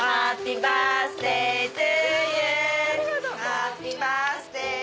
ハッピーバースデー